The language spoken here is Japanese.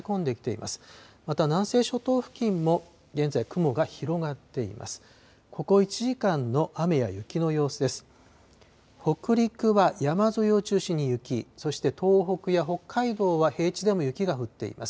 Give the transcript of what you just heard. また南西諸島付近も現在、雲が広がっています。